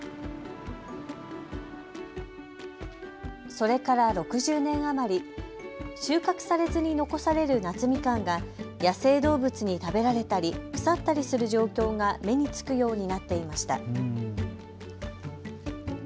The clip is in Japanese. それから６０年余り、収穫されずに残される夏みかんが野生動物に食べられたり腐ったりする状況が目につくようになっていました。